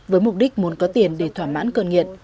với mục đích muốn có tiền để thỏa mãn cơn nghiện